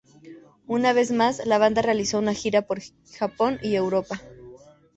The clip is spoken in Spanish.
Una vez más, la banda realizó una gira por Japón y Europa.